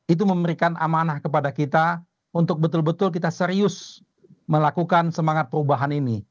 itu memberikan amanah kepada kita untuk betul betul kita serius melakukan semangat perubahan ini